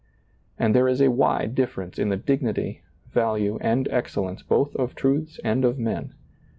And there is a wide difference in the dignity, value and excellence both of truths and of men.